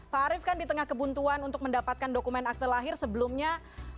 pak arief kan di tengah kebuntuan untuk mendapatkan dokumen akte lahir sebelumnya